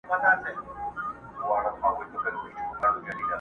هسي نه چي د قصاب جوړه پلمه سي،